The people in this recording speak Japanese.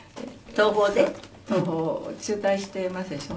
桐朋を中退してますでしょ。